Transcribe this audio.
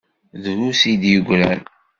Drus i d-yeggran.